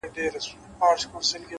هره هڅه د راتلونکي لپاره پیغام دی؛